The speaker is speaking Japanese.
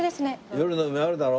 夜の梅あるだろ？